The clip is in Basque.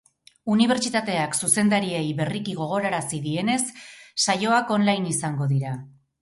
Unibertsitateak zuzendariei berriki gogorarazi dienez, saioak online izango dira.